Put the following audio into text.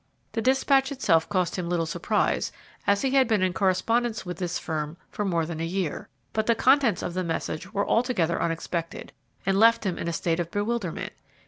The despatch itself caused him little surprise, as he had been in correspondence with this firm for more than a year; but the contents of the message were altogether unexpected, and left him in a state of bewilderment.